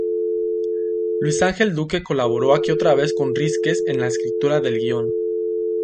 Luis Ángel Duque colaboró aquí otra vez con Rísquez en la escritura del guion.